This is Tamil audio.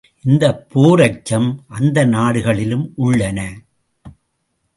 இந்தப் போர் அச்சம் அந்த நாடுகளிலும் உள்ளன.